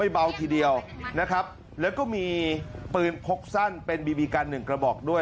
เบาทีเดียวนะครับแล้วก็มีปืนพกสั้นเป็นบีบีกันหนึ่งกระบอกด้วย